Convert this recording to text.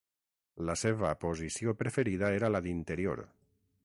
La seva posició preferida era la d'interior.